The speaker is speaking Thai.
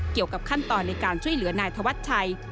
เกี่ยวกับขั้นตอนในการช่วยเหลือนายธวัชชัย